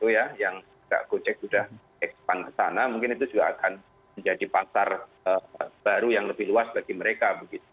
yang gojek sudah ekspan ke sana mungkin itu juga akan menjadi pasar baru yang lebih luas bagi mereka